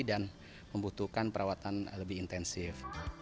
dan membutuhkan perawatan lebih intensif